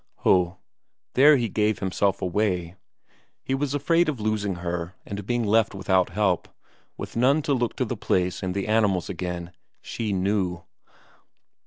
Ho, there he gave himself away; he was afraid of losing her and being left without help, with none to look to the place and the animals again she knew!